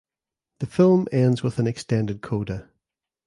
The film ends with an extended coda.